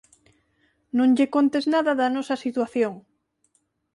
Non lle contes nada da nosa situación.